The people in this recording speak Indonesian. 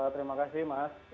terima kasih mas